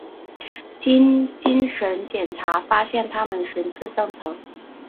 经精神检查发现他们神智正常。